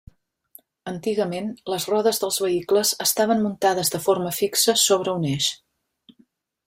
Antigament, les rodes dels vehicles estaven muntades de forma fixa sobre un eix.